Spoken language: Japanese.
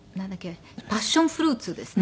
パッションフルーツですね。